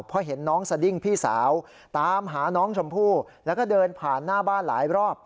เพราะเห็นน้องสดิ้งพี่สาวตามหาน้องชมพู่แล้วก็เดินผ่านหน้าบ้านหลายรอบ